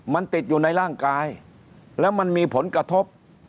มันติดอยู่ในร่างกายแล้วมันมีผลกระทบ